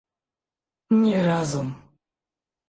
Не разум.